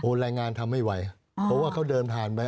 แรงงานทำไม่ไหวเพราะว่าเขาเดินผ่านไป